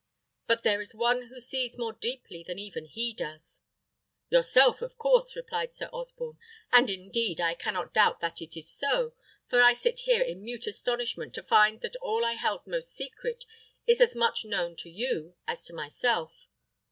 But there is one who sees more deeply than even he does." "Yourself, of course," replied Sir Osborne; "and indeed I cannot doubt that it is so; for I sit here in mute astonishment to find that all I held most secret is as much known to you as to myself."